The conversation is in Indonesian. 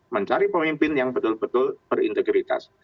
mencari pemimpin yang betul betul berintegritas